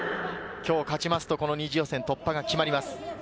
今日勝ちますと、２次予選突破が決まります。